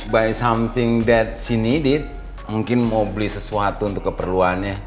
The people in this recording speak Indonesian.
buat sesuatu yang dia butuh mungkin mau beli sesuatu untuk keperluannya